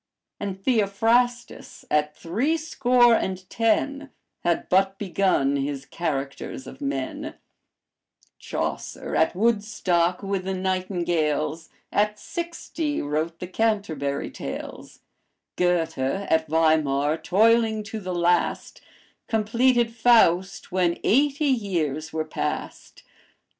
And Theophrastus, at three score and ten, Had but begun his Characters of Men; Chaucer, at Woodstock with the nightingales, At sixty wrote the Canterbury Tales; Goethe at Weimar, toiling to the last, Completed Faust when eighty years were past.